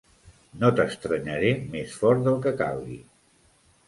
No t'estrenyeré més fort del que calgui.